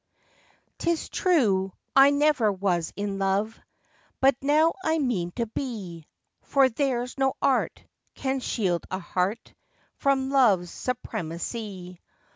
Tis true I never was in love: But now I mean to be, For there's no art Can shield a heart From love's supremacy.